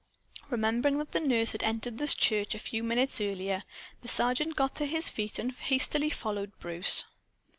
Remembering that the nurse had entered the church a few minutes earlier, the Sergeant got to his feet and hastily followed Bruce.